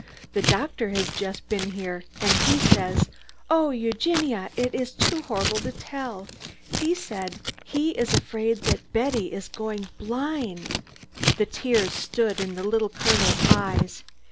The doctor has just been here, and he says oh, Eugenia, it is too terrible to tell he says he is afraid that Betty is going blind!" The tears stood in the Little Colonel's eyes.